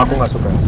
aku gak suka elsa